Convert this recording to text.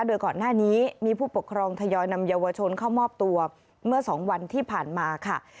โดยก่อนหน้านี้มีผู้ปกครองทยอยนำเยาวชนเข้ามอบตัวเมื่อ๒วันที่ผ่านมาค่ะ